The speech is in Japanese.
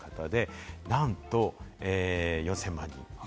なんと４０００万人。